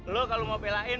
lo kalau mau belain